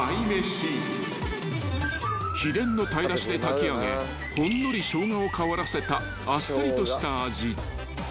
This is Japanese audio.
［秘伝の鯛だしで炊き上げほんのりショウガを香らせたあっさりとした味］